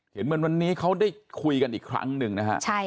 เหมือนวันนี้เขาได้คุยกันอีกครั้งหนึ่งนะฮะ